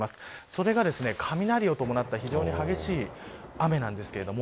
それが、雷を伴った非常に激しい雨なんです。